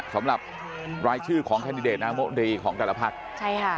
สำหรับรายชื่อของแคนดิเดตนามรีของแต่ละพักใช่ค่ะ